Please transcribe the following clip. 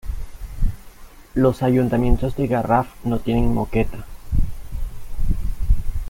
Los ayuntamientos del Garraf no tienen moqueta.